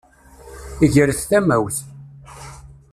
Gret tamawt!